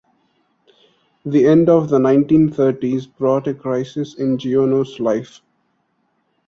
The end of the nineteen-thirties brought a crisis in Giono's life.